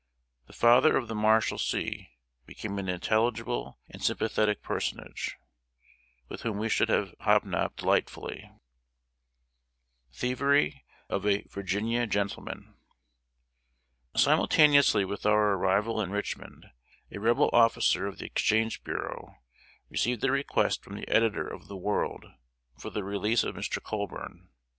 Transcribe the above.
"The Father of the Marshalsea" became an intelligible and sympathetic personage, with whom we should have hobnobbed delightfully. [Sidenote: THIEVERY OF A "VIRGINIA GENTLEMAN."] Simultaneously with our arrival in Richmond, a Rebel officer of the exchange bureau received a request from the editor of The World, for the release of Mr. Colburn.